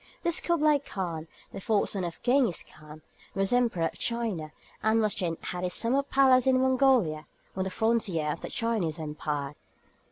This Kublaï Khan, the fourth son of Gengis Khan, was Emperor of China, and was then at his summer palace in Mongolia, on the frontier of the Chinese empire.